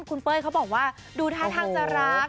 คุณเป้ยเขาบอกว่าดูท่าทางจะรัก